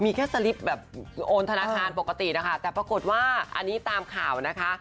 มีแค่สลิปแบบโอนธนาคารปกตินะคะแต่ปรากฏว่าอันนี้ตามข่าวนะคะ